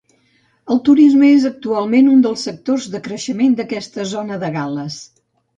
El turisme es actualment un dels sectors de creixement d'aquesta zona de Gal·les.